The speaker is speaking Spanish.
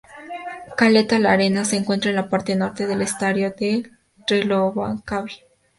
Caleta La Arena se encuentra en la parte norte del Estuario de Reloncaví.